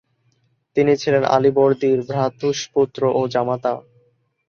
তিনি ছিলেন আলীবর্দীর ভ্রাতুষ্পুত্র ও জামাতা।